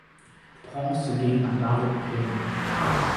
Bronze ging an David Payne.